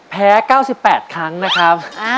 แพ้๙๘ครั้งนะครับ